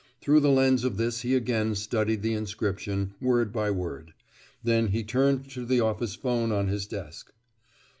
Through the lens of this he again studied the inscription, word by word. Then he turned to the office 'phone on his desk.